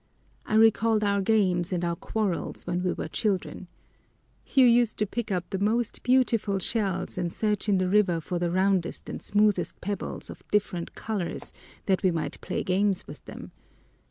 I recalled our games and our quarrels when we were children. You used to pick up the most beautiful shells and search in the river for the roundest and smoothest pebbles of different colors that we might play games with them.